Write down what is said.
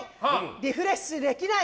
リフレッシュできない。